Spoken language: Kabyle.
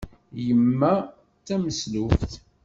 Yemma d tameslubt.